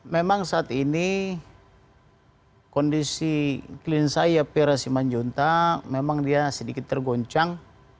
memang saat ini kondisi klin saya fira simanjuntak memang dia sedikit tergoncang